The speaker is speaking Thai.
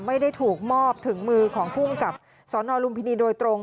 ไม่ได้ถูกมอบถึงมือของภูมิกับสนลุมพินีโดยตรง